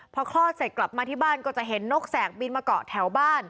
พอคลอดเสร็จกลับมาที่บ้านก็จะเห็นนกแสกบินมาเกาะแถวบ้าน